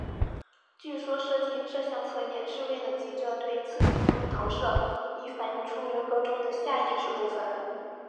据说设计这项测验是为了藉着对刺激物的投射以反映出人格中的下意识部分。